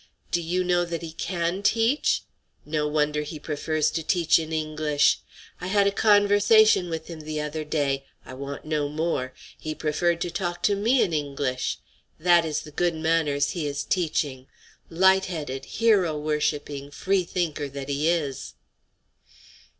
Do you know that he can teach? No wonder he prefers to teach in English! I had a conversation with him the other day; I want no more; he preferred to talk to me in English. That is the good manners he is teaching; light headed, hero worshipping, free thinker that he is."